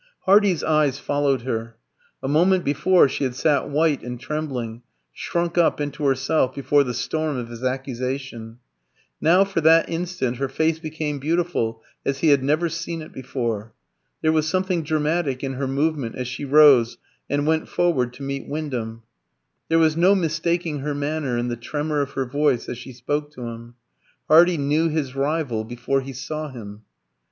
Hardy's eyes followed her. A moment before she had sat white and trembling, shrunk up into herself before the storm of his accusation; now, for that instant, her face became beautiful as he had never seen it before. There was something dramatic in her movement as she rose and went forward to meet Wyndham. There was no mistaking her manner and the tremor of her voice as she spoke to him. Hardy knew his rival before he saw him.